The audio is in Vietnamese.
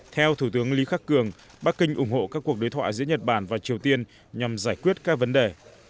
theo thủ tướng lý khắc cường bắc kinh ủng hộ các cuộc đối thoại giữa nhật bản và triều tiên nhằm giải quyết các vấn đề